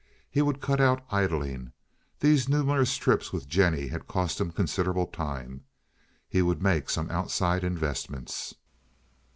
He would cut out idling—these numerous trips with Jennie had cost him considerable time. He would make some outside investments.